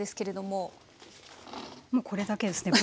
もうこれだけですね。